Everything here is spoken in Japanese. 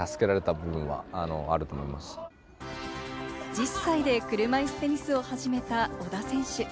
１０歳で車いすテニスを始めた小田選手。